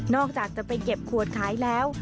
จากจะไปเก็บขวดขายแล้ว